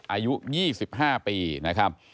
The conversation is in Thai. อายุ๒๕ปีนะครับ